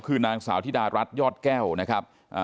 คือนางสาวธิดารัฐยอดแก้วนะครับ